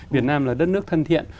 việt nam là đất nước thân thiện